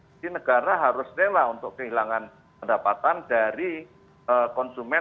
jadi negara harus rela untuk kehilangan pendapatan dari konsumen